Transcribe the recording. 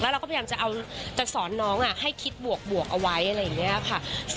เราก็พยายามจะเอาจะสอนน้องให้คิดบวกเอาไว้อะไรอย่างนี้ค่ะ